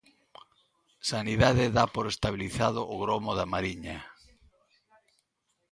Sanidade da por estabilizado o gromo da Mariña.